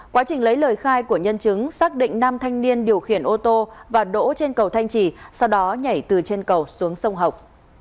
quá trình lấy lời khai của nhân chứng xác định nam thanh niên điều khiển ô tô và đỗ trên cầu thanh trì sau đó nhảy từ trên cầu xuống sông học